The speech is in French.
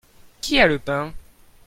Qui a le pain ?